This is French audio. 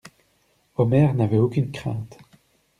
Omer n'avait aucune crainte.